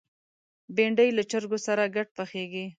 بېنډۍ له چرګو سره ګډ پخېږي